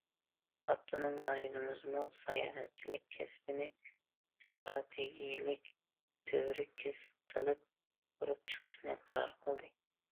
ئاپتونوم رايونىمىزمۇ ساياھەتچىلىك كەسپىنى ئىستراتېگىيەلىك تۈۋرۈك كەسىپ قىلىپ قۇرۇپ چىقىشنى قارار قىلدى.